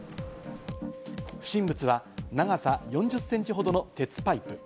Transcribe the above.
不審物は長さ４０センチほどの鉄パイプ。